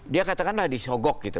dia katakanlah disogok gitu